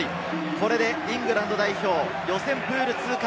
これでイングランド代表、予選プール通過。